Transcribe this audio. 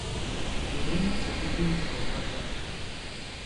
Dunêym psı bıdi vuşrohelh'e.